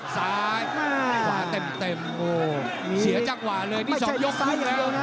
ซ้ายขวาเต็มโอ้วเสียจังหวะเลยที่สองยกครึ่งแล้ว